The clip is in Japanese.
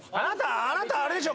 あなたあれでしょ。